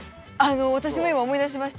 私も今思い出しました。